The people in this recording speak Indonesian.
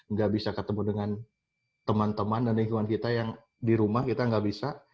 nggak bisa ketemu dengan teman teman dan lingkungan kita yang di rumah kita nggak bisa